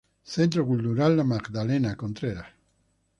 Centro Cultural La Magdalena Contreras.